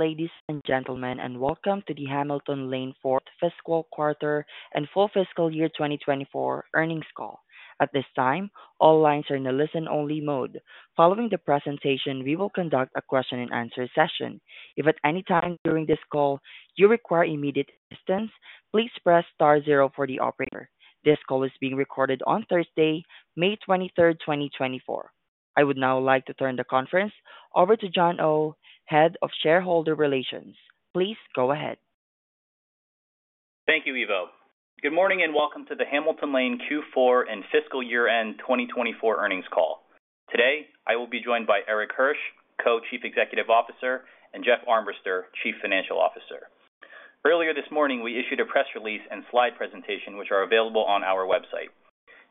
Ladies and gentlemen, and welcome to the Hamilton Lane Fourth Fiscal Quarter and Full Fiscal Year 2024 Earnings Call. At this time, all lines are in a listen-only mode. Following the presentation, we will conduct a question and answer session. If at any time during this call you require immediate assistance, please press star zero for the operator. This call is being recorded on Thursday, May 23rd, 2024. I would now like to turn the conference over to John Oh, Head of Shareholder Relations. Please go ahead. Thank you, Evo. Good morning, and welcome to the Hamilton Lane Q4 and Fiscal year-end 2024 Earnings Call. Today, I will be joined by Erik Hirsch, Co-Chief Executive Officer, and Jeff Armbruster, Chief Financial Officer. Earlier this morning, we issued a press release and slide presentation, which are available on our website.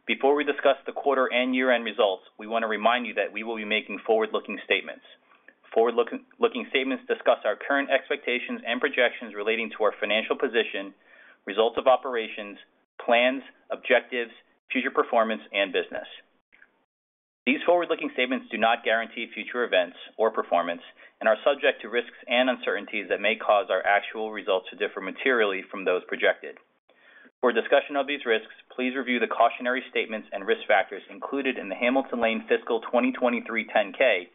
Before we discuss the quarter and year-end results, we want to remind you that we will be making forward-looking statements. Forward-looking statements discuss our current expectations and projections relating to our financial position, results of operations, plans, objectives, future performance, and business. These forward-looking statements do not guarantee future events or performance and are subject to risks and uncertainties that may cause our actual results to differ materially from those projected. For a discussion of these risks, please review the cautionary statements and risk factors included in the Hamilton Lane fiscal 2023 10-K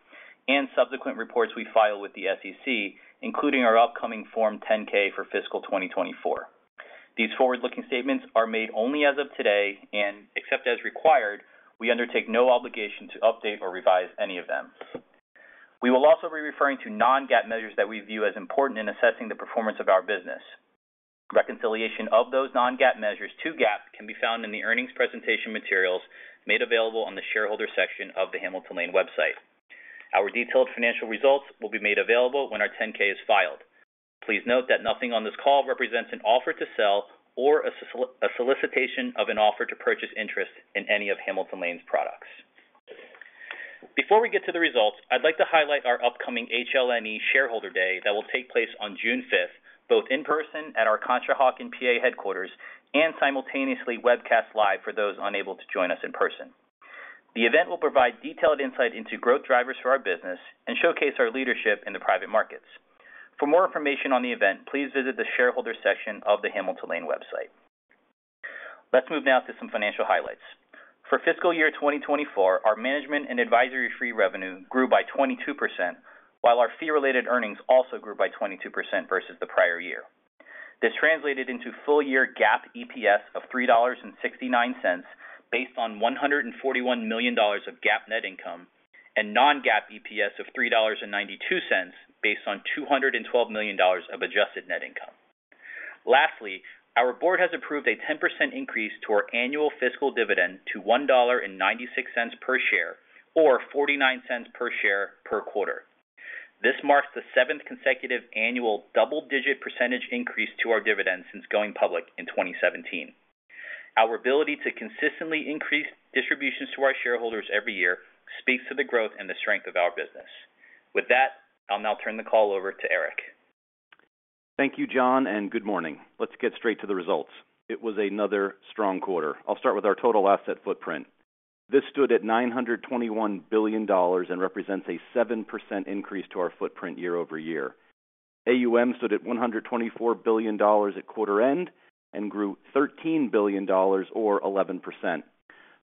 and subsequent reports we file with the SEC, including our upcoming Form 10-K for fiscal 2024. These forward-looking statements are made only as of today, and except as required, we undertake no obligation to update or revise any of them. We will also be referring to non-GAAP measures that we view as important in assessing the performance of our business. Reconciliation of those non-GAAP measures to GAAP can be found in the earnings presentation materials made available on the shareholder section of the Hamilton Lane website. Our detailed financial results will be made available when our 10-K is filed. Please note that nothing on this call represents an offer to sell or a solicitation of an offer to purchase interest in any of Hamilton Lane's products. Before we get to the results, I'd like to highlight our upcoming HLNE Shareholder Day that will take place on June fifth, both in person at our Conshohocken, PA headquarters, and simultaneously webcast live for those unable to join us in person. The event will provide detailed insight into growth drivers for our business and showcase our leadership in the private markets. For more information on the event, please visit the shareholder section of the Hamilton Lane website. Let's move now to some financial highlights. For fiscal year 2024, our management and advisory fee revenue grew by 22%, while our fee-related earnings also grew by 22% versus the prior year. This translated into full-year GAAP EPS of $3.69, based on $141 million of GAAP net income, and non-GAAP EPS of $3.92, based on $212 million of adjusted net income. Lastly, our board has approved a 10% increase to our annual fiscal dividend to $1.96 per share or $0.49 per share per quarter. This marks the 7th consecutive annual double-digit percentage increase to our dividend since going public in 2017. Our ability to consistently increase distributions to our shareholders every year speaks to the growth and the strength of our business. With that, I'll now turn the call over to Erik. Thank you, John, and good morning. Let's get straight to the results. It was another strong quarter. I'll start with our total asset footprint. This stood at $921 billion and represents a 7% increase to our footprint year-over-year. AUM stood at $124 billion at quarter end and grew $13 billion or 11%.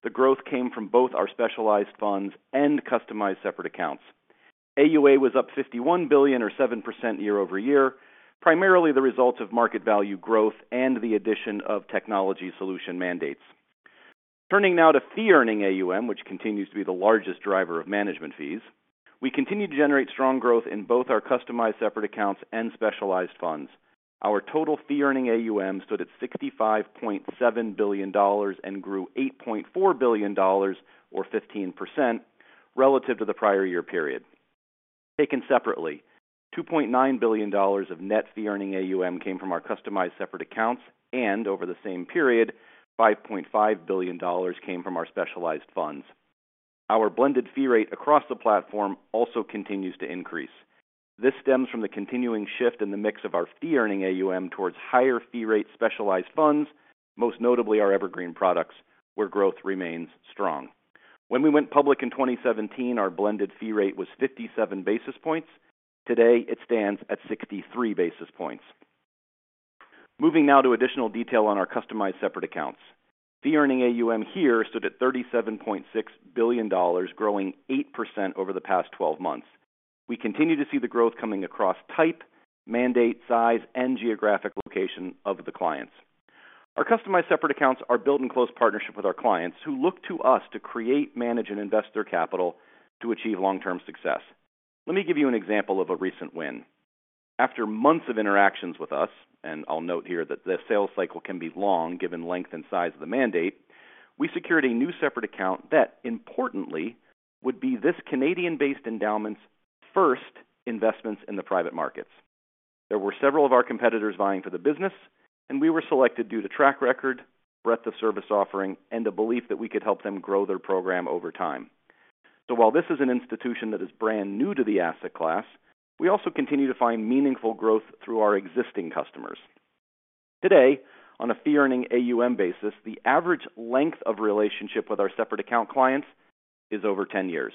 The growth came from both our specialized funds and customized separate accounts. AUA was up $51 billion or 7% year-over-year, primarily the results of market value growth and the addition of technology solutions mandates. Turning now to fee earning AUM, which continues to be the largest driver of management fees. We continue to generate strong growth in both our customized separate accounts and specialized funds. Our total fee earning AUM stood at $65.7 billion and grew $8.4 billion, or 15%, relative to the prior year period. Taken separately, $2.9 billion of net fee earning AUM came from our customized separate accounts, and over the same period, $5.5 billion came from our specialized funds. Our blended fee rate across the platform also continues to increase. This stems from the continuing shift in the mix of our fee-earning AUM towards higher fee rate specialized funds, most notably our Evergreen products, where growth remains strong. When we went public in 2017, our blended fee rate was 57 basis points. Today, it stands at 63 basis points. Moving now to additional detail on our customized separate accounts. Fee earning AUM here stood at $37.6 billion, growing 8% over the past 12 months. We continue to see the growth coming across type, mandate, size, and geographic location of the clients. Our customized separate accounts are built in close partnership with our clients, who look to us to create, manage, and invest their capital to achieve long-term success. Let me give you an example of a recent win. After months of interactions with us, and I'll note here that the sales cycle can be long, given length and size of the mandate, we secured a new separate account that, importantly, would be this Canadian-based endowment's first investments in the private markets. There were several of our competitors vying for the business, and we were selected due to track record, breadth of service offering, and a belief that we could help them grow their program over time. So while this is an institution that is brand new to the asset class, we also continue to find meaningful growth through our existing customers. Today, on a fee-earning AUM basis, the average length of relationship with our separate account clients is over 10 years,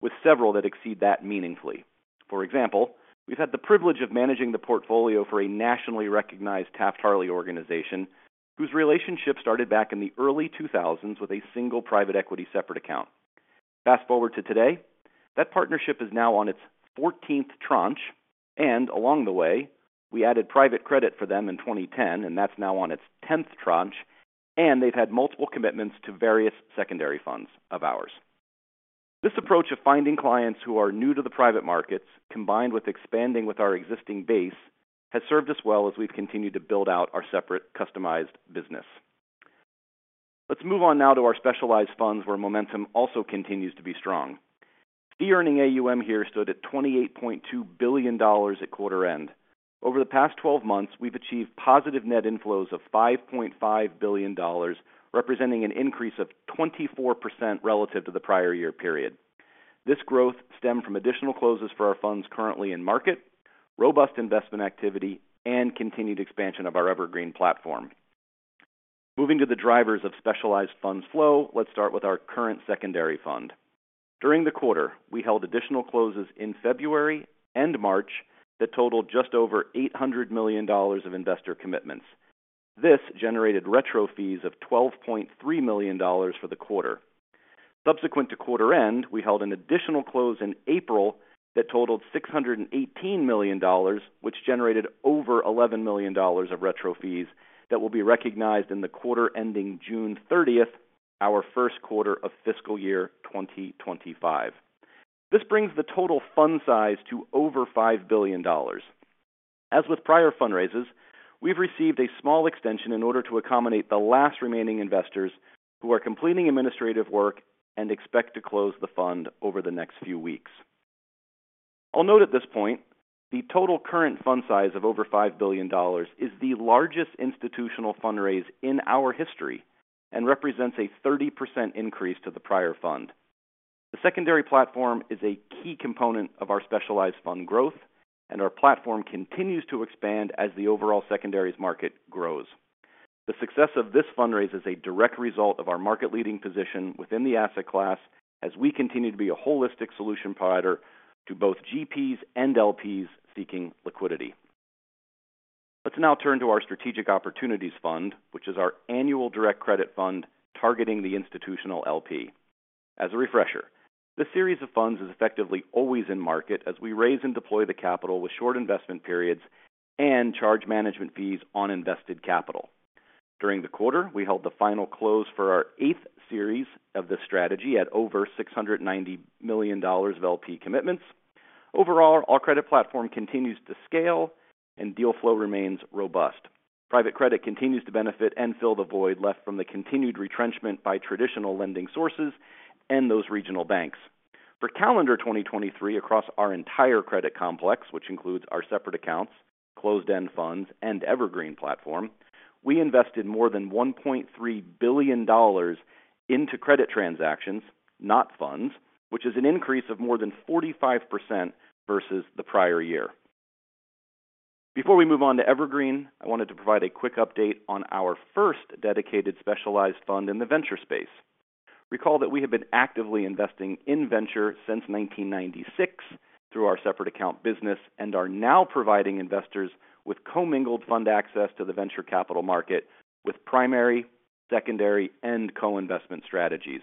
with several that exceed that meaningfully. For example, we've had the privilege of managing the portfolio for a nationally recognized Taft-Hartley organization, whose relationship started back in the early 2000s with a single private equity separate account. Fast forward to today, that partnership is now on its 14th tranche, and along the way, we added private credit for them in 2010, and that's now on its 10th tranche, and they've had multiple commitments to various secondary funds of ours. This approach of finding clients who are new to the private markets, combined with expanding with our existing base, has served us well as we've continued to build out our separate customized business. Let's move on now to our specialized funds, where momentum also continues to be strong. Fee earning AUM here stood at $28.2 billion at quarter end. Over the past twelve months, we've achieved positive net inflows of $5.5 billion, representing an increase of 24% relative to the prior year period. This growth stemmed from additional closes for our funds currently in market, robust investment activity, and continued expansion of our Evergreen platform. Moving to the drivers of specialized funds flow, let's start with our current secondary fund. During the quarter, we held additional closes in February and March that totaled just over $800 million of investor commitments. This generated retro fees of $12.3 million for the quarter. Subsequent to quarter end, we held an additional close in April that totaled $618 million, which generated over $11 million of retro fees that will be recognized in the quarter ending June thirtieth, our first quarter of fiscal year 2025. This brings the total fund size to over $5 billion. As with prior fundraises, we've received a small extension in order to accommodate the last remaining investors who are completing administrative work and expect to close the fund over the next few weeks. I'll note at this point, the total current fund size of over $5 billion is the largest institutional fundraise in our history and represents a 30% increase to the prior fund. The secondary platform is a key component of our specialized fund growth, and our platform continues to expand as the overall secondaries market grows. The success of this fundraise is a direct result of our market-leading position within the asset class, as we continue to be a holistic solution provider to both GPs and LPs seeking liquidity. Let's now turn to our Strategic Opportunities Fund, which is our annual direct credit fund targeting the institutional LP. As a refresher, this series of funds is effectively always in market as we raise and deploy the capital with short investment periods and charge management fees on invested capital. During the quarter, we held the final close for our eighth series of the strategy at over $690 million of LP commitments. Overall, our credit platform continues to scale, and deal flow remains robust. Private credit continues to benefit and fill the void left from the continued retrenchment by traditional lending sources and those regional banks. For calendar 2023, across our entire credit complex, which includes our separate accounts, closed-end funds, and Evergreen platform, we invested more than $1.3 billion into credit transactions, not funds, which is an increase of more than 45% versus the prior year. Before we move on to Evergreen, I wanted to provide a quick update on our first dedicated specialized fund in the venture space. Recall that we have been actively investing in venture since 1996 through our separate account business and are now providing investors with commingled fund access to the venture capital market with primary, secondary, and co-investment strategies.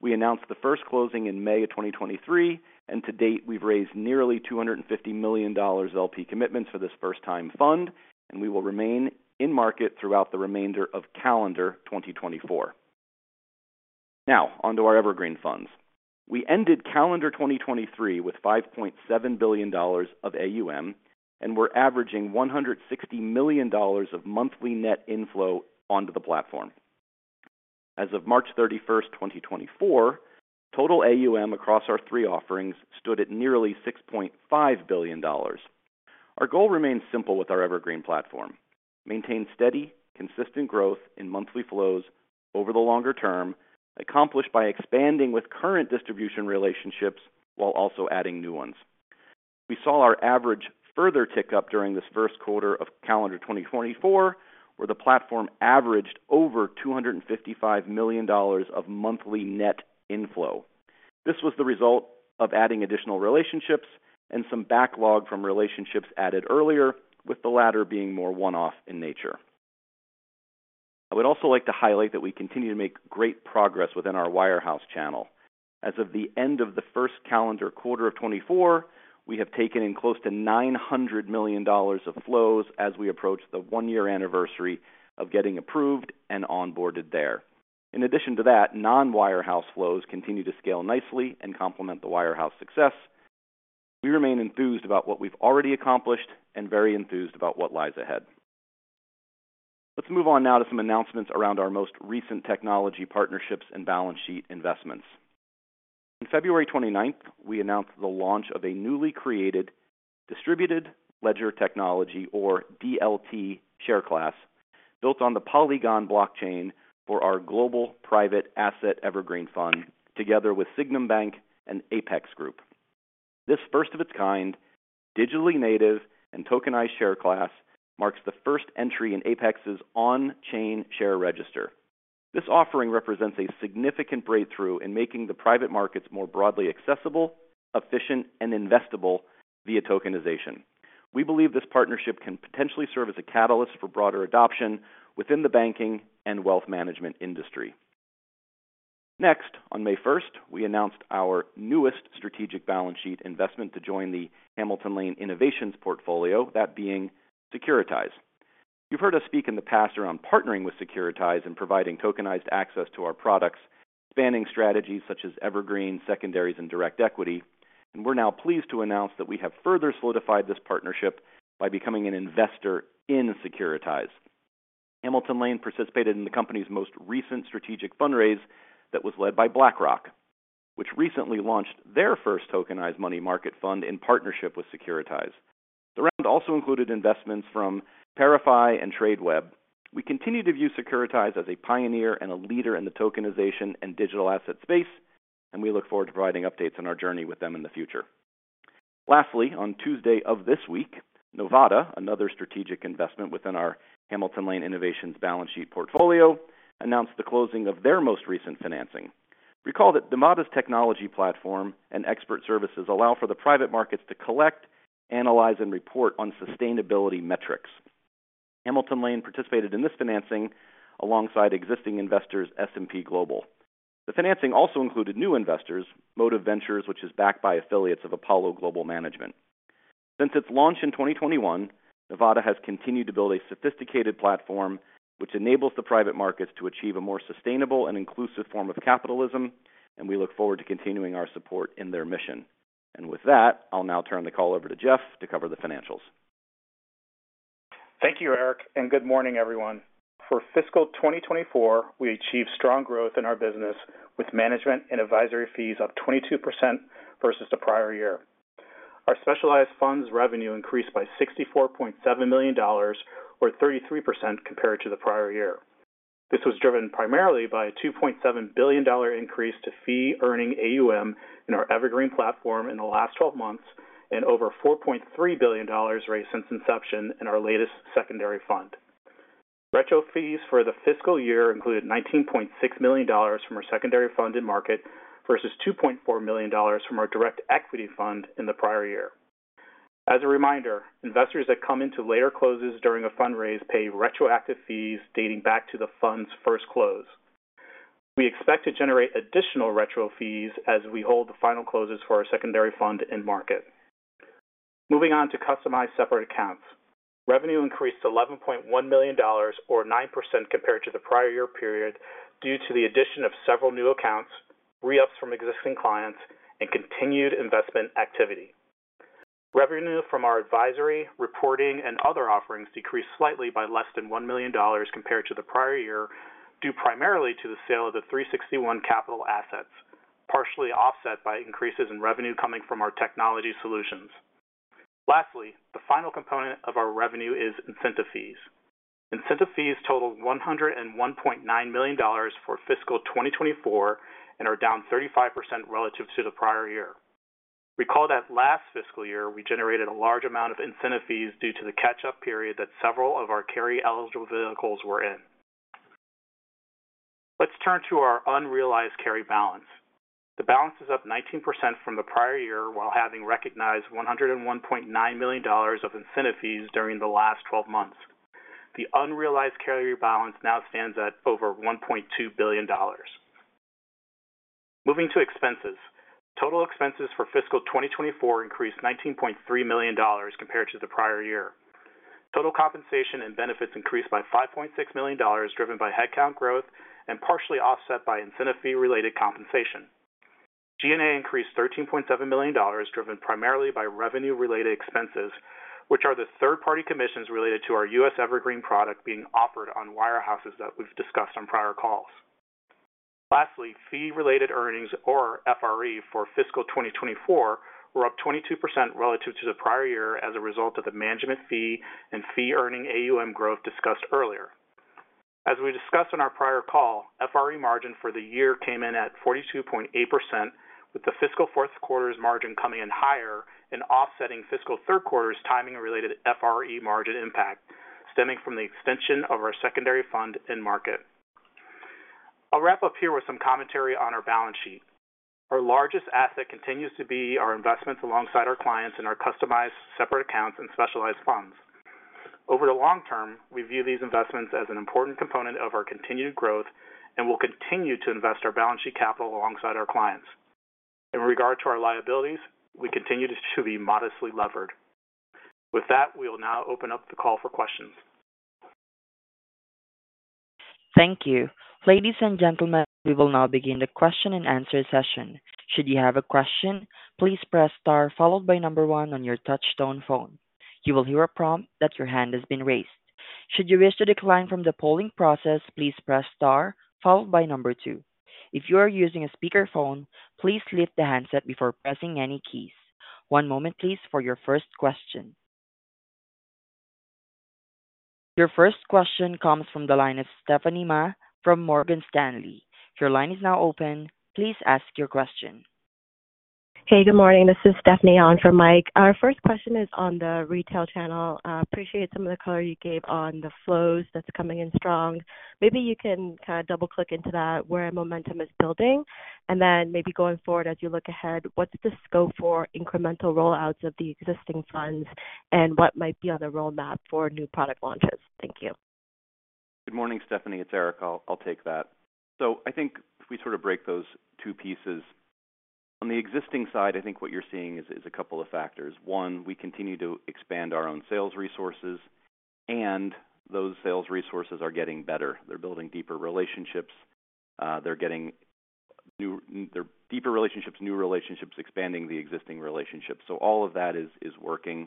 We announced the first closing in May 2023, and to date, we've raised nearly $250 million LP commitments for this first-time fund, and we will remain in market throughout the remainder of calendar 2024. Now, on to our Evergreen funds. We ended calendar 2023 with $5.7 billion of AUM, and we're averaging $160 million of monthly net inflow onto the platform. As of March 31, 2024, total AUM across our three offerings stood at nearly $6.5 billion. Our goal remains simple with our Evergreen platform: maintain steady, consistent growth in monthly flows over the longer term, accomplished by expanding with current distribution relationships while also adding new ones. We saw our average further tick up during this first quarter of calendar 2024, where the platform averaged over $255 million of monthly net inflow. This was the result of adding additional relationships and some backlog from relationships added earlier, with the latter being more one-off in nature. I would also like to highlight that we continue to make great progress within our wirehouse channel. As of the end of the first calendar quarter of 2024, we have taken in close to $900 million of flows as we approach the one-year anniversary of getting approved and onboarded there. In addition to that, non-wirehouse flows continue to scale nicely and complement the wirehouse success. We remain enthused about what we've already accomplished and very enthused about what lies ahead. Let's move on now to some announcements around our most recent technology partnerships and balance sheet investments. On February twenty-ninth, we announced the launch of a newly created distributed ledger technology, or DLT, share class built on the Polygon blockchain for our Global Private Assets Evergreen Fund, together with Sygnum Bank and Apex Group.... This first of its kind, digitally native, and tokenized share class marks the first entry in Apex's on-chain share register. This offering represents a significant breakthrough in making the private markets more broadly accessible, efficient, and investable via tokenization. We believe this partnership can potentially serve as a catalyst for broader adoption within the banking and wealth management industry. Next, on May first, we announced our newest strategic balance sheet investment to join the Hamilton Lane Innovations portfolio, that being Securitize. You've heard us speak in the past around partnering with Securitize and providing tokenized access to our products, spanning strategies such as evergreen, secondaries, and direct equity. We're now pleased to announce that we have further solidified this partnership by becoming an investor in Securitize. Hamilton Lane participated in the company's most recent strategic fundraise that was led by BlackRock, which recently launched their first tokenized money market fund in partnership with Securitize. The round also included investments from ParaFi and Tradeweb. We continue to view Securitize as a pioneer and a leader in the tokenization and digital asset space, and we look forward to providing updates on our journey with them in the future. Lastly, on Tuesday of this week, Novata, another strategic investment within our Hamilton Lane Innovations balance sheet portfolio, announced the closing of their most recent financing. Recall that Novata's technology platform and expert services allow for the private markets to collect, analyze, and report on sustainability metrics. Hamilton Lane participated in this financing alongside existing investors, S&P Global. The financing also included new investors, Motive Ventures, which is backed by affiliates of Apollo Global Management. Since its launch in 2021, Novata has continued to build a sophisticated platform, which enables the private markets to achieve a more sustainable and inclusive form of capitalism, and we look forward to continuing our support in their mission. With that, I'll now turn the call over to Jeff to cover the financials. Thank you, Erik, and good morning, everyone. For fiscal 2024, we achieved strong growth in our business, with management and advisory fees up 22% versus the prior year. Our specialized funds revenue increased by $64.7 million or 33% compared to the prior year. This was driven primarily by a $2.7 billion increase to fee-earning AUM in our Evergreen platform in the last 12 months and over $4.3 billion raised since inception in our latest secondary fund. Retro fees for the fiscal year included $19.6 million from our secondary fund in market, versus $2.4 million from our direct equity fund in the prior year. As a reminder, investors that come into later closes during a fundraise pay retroactive fees dating back to the fund's first close. We expect to generate additional retro fees as we hold the final closes for our secondary fund in market. Moving on to customized separate accounts. Revenue increased to $11.1 million or 9% compared to the prior year period, due to the addition of several new accounts, re-ups from existing clients, and continued investment activity. Revenue from our advisory, reporting, and other offerings decreased slightly by less than $1 million compared to the prior year, due primarily to the sale of the 361 Capital assets, partially offset by increases in revenue coming from our technology solutions. Lastly, the final component of our revenue is incentive fees. Incentive fees totaled $101.9 million for fiscal 2024 and are down 35% relative to the prior year. Recall that last fiscal year, we generated a large amount of incentive fees due to the catch-up period that several of our carry-eligible vehicles were in. Let's turn to our unrealized carry balance. The balance is up 19% from the prior year, while having recognized $101.9 million of incentive fees during the last twelve months. The unrealized carry balance now stands at over $1.2 billion. Moving to expenses. Total expenses for fiscal 2024 increased $19.3 million compared to the prior year. Total compensation and benefits increased by $5.6 million, driven by headcount growth and partially offset by incentive fee-related compensation. G&A increased $13.7 million, driven primarily by revenue-related expenses, which are the third-party commissions related to our US Evergreen product being offered on wirehouses that we've discussed on prior calls. Lastly, fee-related earnings, or FRE, for fiscal 2024 were up 22% relative to the prior year as a result of the management fee and fee-earning AUM growth discussed earlier. As we discussed on our prior call, FRE margin for the year came in at 42.8%, with the fiscal fourth quarter's margin coming in higher and offsetting fiscal third quarter's timing-related FRE margin impact, stemming from the extension of our secondary fund in market. I'll wrap up here with some commentary on our balance sheet. Our largest asset continues to be our investments alongside our clients in our customized separate accounts and specialized funds. Over the long term, we view these investments as an important component of our continued growth and will continue to invest our balance sheet capital alongside our clients. In regard to our liabilities, we continue to be modestly levered. With that, we will now open up the call for questions. Thank you. Ladies and gentlemen, we will now begin the question-and-answer session. Should you have a question, please press star followed by number one on your touchtone phone. You will hear a prompt that your hand has been raised. Should you wish to decline from the polling process, please press star followed by number two. If you are using a speakerphone, please lift the handset before pressing any keys. One moment, please, for your first question. Your first question comes from the line of Stephanie Ma from Morgan Stanley. Your line is now open. Please ask your question. Hey, good morning. This is Stephanie on from Mike. Our first question is on the retail channel. Appreciate some of the color you gave on the flows that's coming in strong. Maybe you can kind of double-click into that, where momentum is building, and then maybe going forward as you look ahead, what's the scope for incremental rollouts of the existing funds, and what might be on the roadmap for new product launches? Thank you. Good morning, Stephanie. It's Erik. I'll take that. So I think if we sort of break those two pieces. On the existing side, I think what you're seeing is a couple of factors. One, we continue to expand our own sales resources, and those sales resources are getting better. They're building deeper relationships. They're getting deeper relationships, new relationships, expanding the existing relationships. So all of that is working.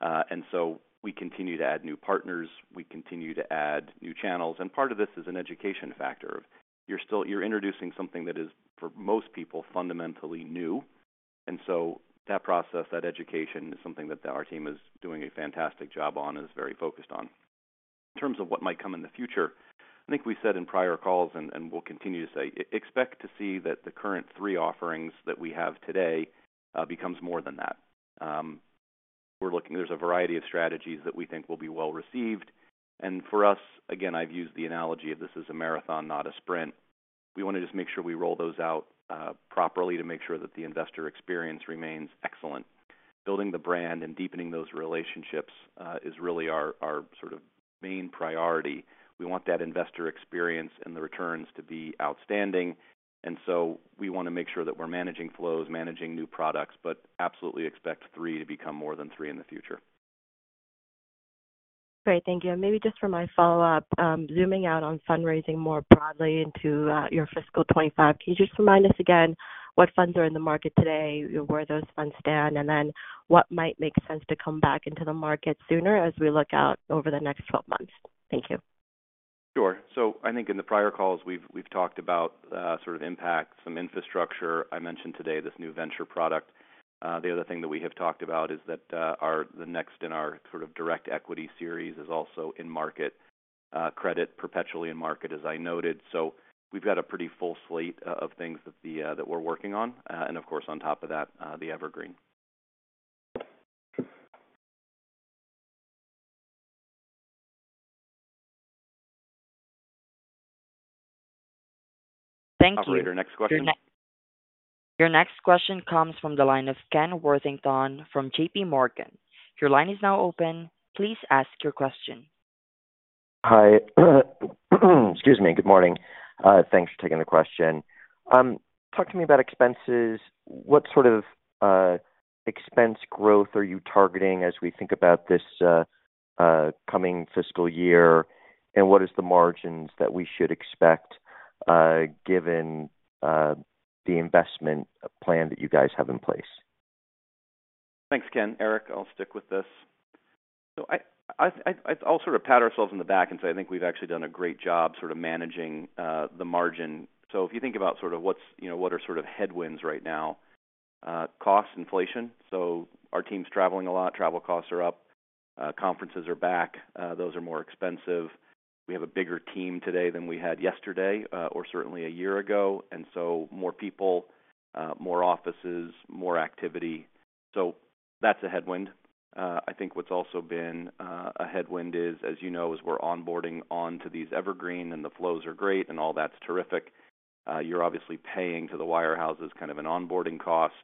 And so we continue to add new partners, we continue to add new channels, and part of this is an education factor. You're still introducing something that is, for most people, fundamentally new, and so that process, that education, is something that our team is doing a fantastic job on and is very focused on. In terms of what might come in the future, I think we said in prior calls, and we'll continue to say, expect to see that the current three offerings that we have today becomes more than that. We're looking... There's a variety of strategies that we think will be well received. And for us, again, I've used the analogy of this is a marathon, not a sprint. We want to just make sure we roll those out properly to make sure that the investor experience remains excellent. Building the brand and deepening those relationships is really our sort of main priority. We want that investor experience and the returns to be outstanding, and so we want to make sure that we're managing flows, managing new products, but absolutely expect three to become more than three in the future. Great. Thank you. Maybe just for my follow-up, zooming out on fundraising more broadly into your fiscal 2025, can you just remind us again what funds are in the market today, where those funds stand, and then what might make sense to come back into the market sooner as we look out over the next 12 months? Thank you. Sure. So I think in the prior calls, we've talked about sort of impact, some infrastructure. I mentioned today this new venture product. The other thing that we have talked about is that our, the next in our sort of direct equity series is also in market, credit perpetually in market, as I noted. So we've got a pretty full slate of things that we're working on. And of course, on top of that, the Evergreen. Thank you. Operator, next question. Your next question comes from the line of Ken Worthington from J.P. Morgan. Your line is now open. Please ask your question. Hi. Excuse me. Good morning. Thanks for taking the question. Talk to me about expenses. What sort of expense growth are you targeting as we think about this coming fiscal year? And what is the margins that we should expect given the investment plan that you guys have in place? Thanks, Ken. Erik, I'll stick with this. So I'll sort of pat ourselves on the back and say, I think we've actually done a great job sort of managing the margin. So if you think about sort of what's, you know, what are sort of headwinds right now, cost inflation. So our team's traveling a lot. Travel costs are up, conferences are back. Those are more expensive. We have a bigger team today than we had yesterday, or certainly a year ago, and so more people, more offices, more activity. So that's a headwind. I think what's also been a headwind is, as you know, we're onboarding on to these Evergreen, and the flows are great and all that's terrific. You're obviously paying to the wirehouses kind of an onboarding cost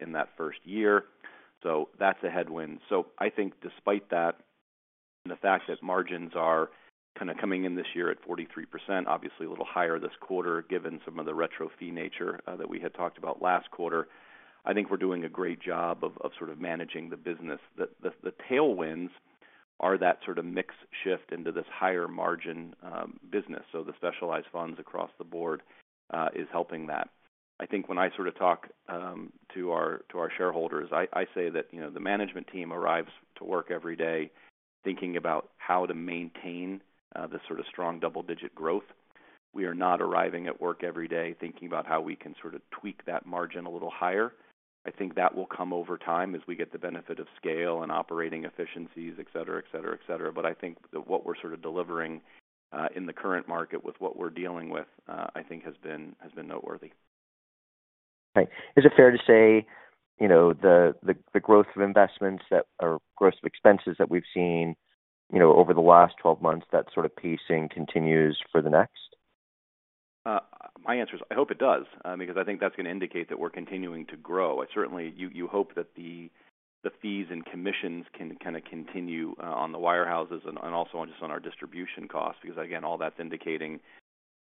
in that first year, so that's a headwind. So I think despite that, and the fact that margins are kind of coming in this year at 43%, obviously a little higher this quarter, given some of the retro fee nature that we had talked about last quarter, I think we're doing a great job of sort of managing the business. The tailwinds are that sort of mix shift into this higher margin business. So the specialized funds across the board is helping that. I think when I sort of talk to our shareholders, I say that, you know, the management team arrives to work every day thinking about how to maintain this sort of strong double-digit growth. We are not arriving at work every day thinking about how we can sort of tweak that margin a little higher. I think that will come over time as we get the benefit of scale and operating efficiencies, et cetera, et cetera, et cetera. But I think that what we're sort of delivering in the current market with what we're dealing with, I think has been, has been noteworthy. Right. Is it fair to say, you know, the growth of investments that... or growth of expenses that we've seen, you know, over the last 12 months, that sort of pacing continues for the next? My answer is, I hope it does, because I think that's going to indicate that we're continuing to grow. Certainly, you hope that the fees and commissions can kind of continue on the wirehouses and also just on our distribution costs, because again, all that's indicating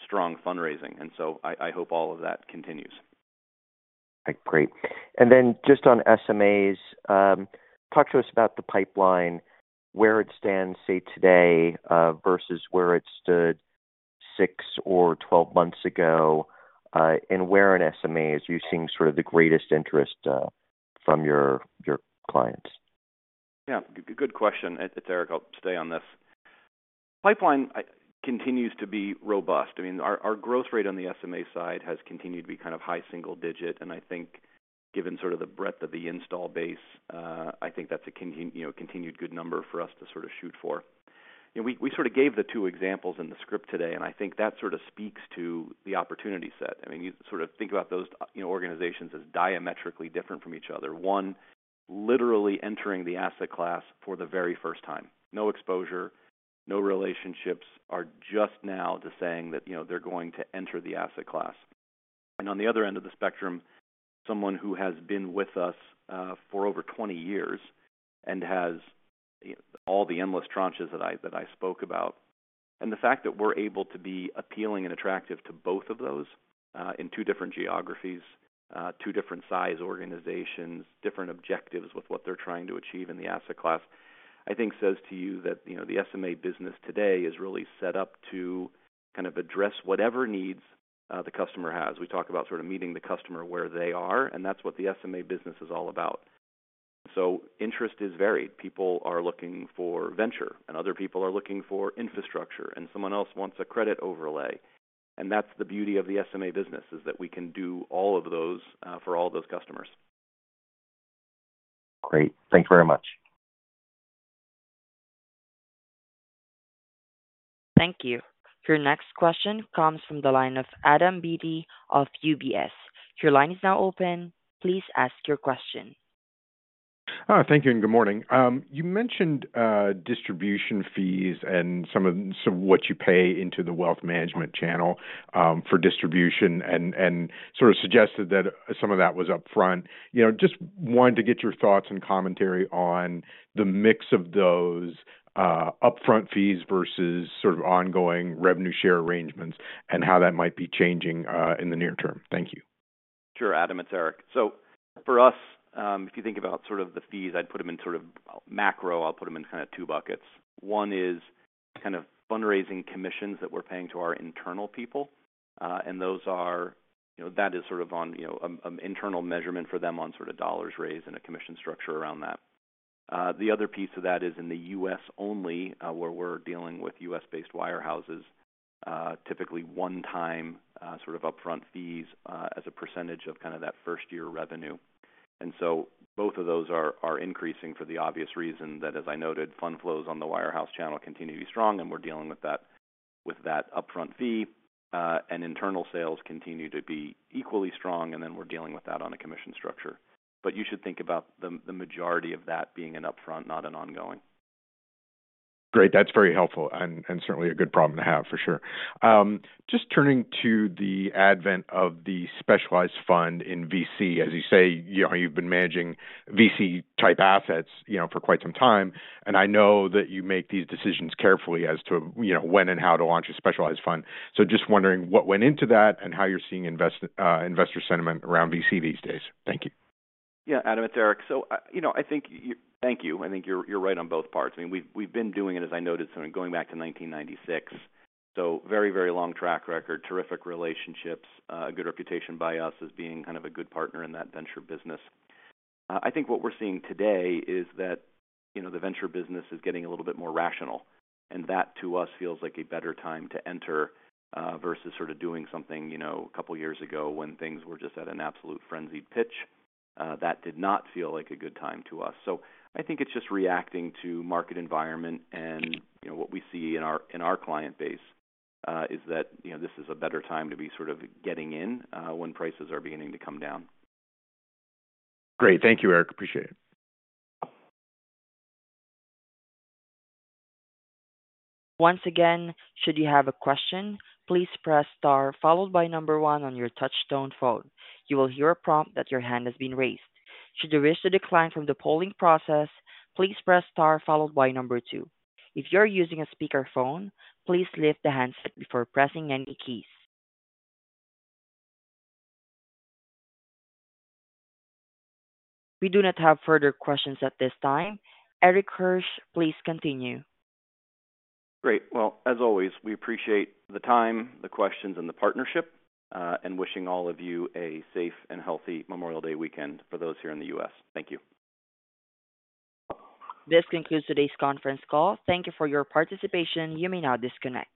strong fundraising, and so I hope all of that continues. Great. And then just on SMAs, talk to us about the pipeline, where it stands, say, today, versus where it stood six or 12 months ago, and where in SMAs you're seeing sort of the greatest interest from your clients? Yeah, good question. It's Eric, I'll stay on this. Pipeline continues to be robust. I mean, our, our growth rate on the SMA side has continued to be kind of high single digit, and I think- given sort of the breadth of the install base, I think that's a continued good number for us to sort of shoot for. You know, we, we sort of gave the two examples in the script today, and I think that sort of speaks to the opportunity set. I mean, you sort of think about those, you know, organizations as diametrically different from each other. One, literally entering the asset class for the very first time. No exposure, no relationships, are just now just saying that, you know, they're going to enter the asset class. And on the other end of the spectrum, someone who has been with us for over 20 years and has, you know, all the endless tranches that I, that I spoke about. And the fact that we're able to be appealing and attractive to both of those, in two different geographies, two different size organizations, different objectives with what they're trying to achieve in the asset class, I think says to you that, you know, the SMA business today is really set up to kind of address whatever needs the customer has. We talk about sort of meeting the customer where they are, and that's what the SMA business is all about. So interest is varied. People are looking for venture, and other people are looking for infrastructure, and someone else wants a credit overlay, and that's the beauty of the SMA business, is that we can do all of those for all those customers. Great. Thank you very much. Thank you. Your next question comes from the line of Adam Beatty of UBS. Your line is now open. Please ask your question. Thank you, and good morning. You mentioned distribution fees and some of, some of what you pay into the wealth management channel for distribution, and sort of suggested that some of that was upfront. You know, just wanted to get your thoughts and commentary on the mix of those upfront fees versus sort of ongoing revenue share arrangements and how that might be changing in the near term. Thank you. Sure, Adam, it's Erik. So for us, if you think about sort of the fees, I'd put them in sort of macro, I'll put them in kind of two buckets. One is kind of fundraising commissions that we're paying to our internal people, and those are. You know, that is sort of on, you know, internal measurement for them on sort of dollars raised and a commission structure around that. The other piece of that is in the U.S. only, where we're dealing with U.S.-based wirehouses, typically one-time, sort of upfront fees, as a percentage of kind of that first year revenue. And so both of those are, are increasing for the obvious reason that, as I noted, fund flows on the wirehouse channel continue to be strong, and we're dealing with that, with that upfront fee. Internal sales continue to be equally strong, and then we're dealing with that on a commission structure. But you should think about the majority of that being an upfront, not an ongoing. Great. That's very helpful and certainly a good problem to have for sure. Just turning to the advent of the specialized fund in VC. As you say, you know, you've been managing VC-type assets, you know, for quite some time, and I know that you make these decisions carefully as to, you know, when and how to launch a specialized fund. So just wondering what went into that and how you're seeing investor sentiment around VC these days. Thank you. Yeah, Adam, it's Erik. So, you know, I think you... Thank you. I think you're right on both parts. I mean, we've been doing it, as I noted, sort of going back to 1996, so very, very long track record, terrific relationships, a good reputation by us as being kind of a good partner in that venture business. I think what we're seeing today is that, you know, the venture business is getting a little bit more rational, and that to us feels like a better time to enter, versus sort of doing something, you know, a couple of years ago when things were just at an absolute frenzied pitch. That did not feel like a good time to us. I think it's just reacting to market environment and, you know, what we see in our, in our client base, is that, you know, this is a better time to be sort of getting in, when prices are beginning to come down. Great. Thank you, Erik. Appreciate it. Once again, should you have a question, please press Star, followed by number one on your touch tone phone. You will hear a prompt that your hand has been raised. Should you wish to decline from the polling process, please press star followed by number two. If you're using a speakerphone, please lift the handset before pressing any keys. We do not have further questions at this time. Erik Hirsch, please continue. Great. Well, as always, we appreciate the time, the questions, and the partnership, and wishing all of you a safe and healthy Memorial Day weekend for those here in the U.S. Thank you. This concludes today's conference call. Thank you for your participation. You may now disconnect.